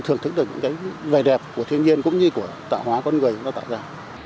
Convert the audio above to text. thường thức được những vẻ đẹp của thiên nhiên cũng như của tạo hóa con người nó tạo ra